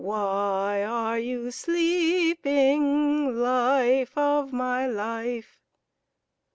Why are you sleeping, Life of my life